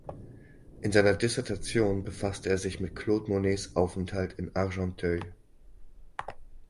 In seiner Dissertation befasste er sich mit Claude Monets Aufenthalt in Argenteuil.